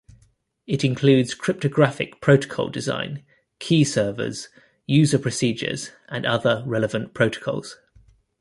It includes cryptographic protocol design, key servers, user procedures, and other relevant protocols.